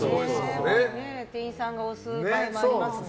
店員さんが推す場合もありますもんね。